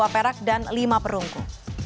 dua perak dan lima perunggu